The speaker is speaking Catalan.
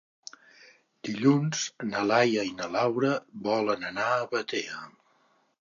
Dilluns na Laia i na Laura volen anar a Batea.